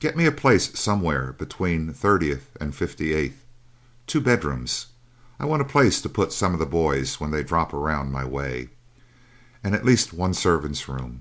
Get me a place somewhere between Thirtieth and Fifty eighth. Two bed rooms. I want a place to put some of the boys when they drop around my way. And at least one servant's room.